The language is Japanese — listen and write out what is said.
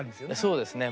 そうですね。